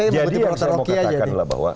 jadi yang saya mau katakan adalah bahwa